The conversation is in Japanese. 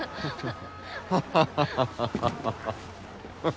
ハハハハハハハ。